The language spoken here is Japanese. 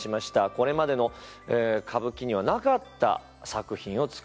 これまでの歌舞伎にはなかった作品を作っていく。